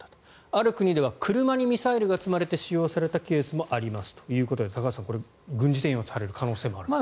ある国は車にミサイルが積まれて使用されたケースもありますということで高橋さん、これは軍事転用される可能性もあると。